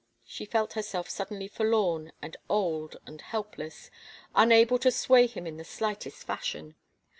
She felt herself suddenly forlorn and old and helpless, imable to sway him in the slightest fashion.